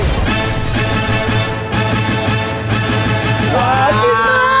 กินล่างบาง